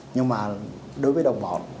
nhưng mà đối với đồng bọn thì không làm gì về đồng bọn